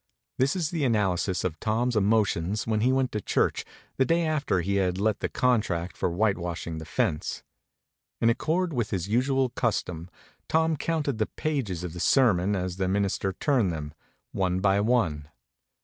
This is the analysis of Tom's emotions when he went to church, the day after he had let the contract for whitewashing the fence. In accord with his usual custom Tom counted the pages of the sermon as the minister turned them, one by one.